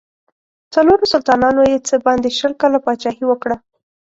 څلورو سلطانانو یې څه باندې شل کاله پاچهي وکړه.